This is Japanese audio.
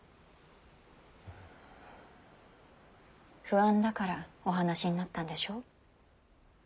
不安だからお話しになったんでしょう。